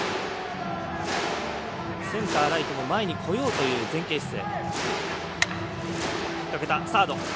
センター、ライトも前に来ようという前傾姿勢。